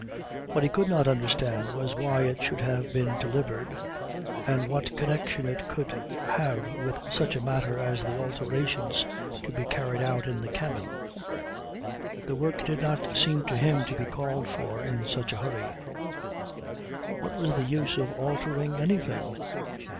What he could not understand was why it should have been delivered, and what connection it could have with such a matter as the alterations to be carried out in the cabin. The work did not seem to him to be called for in such a hurry. What was the use of altering anything?